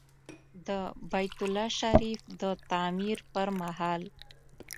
د بیت الله شریف د تعمیر پر مهال.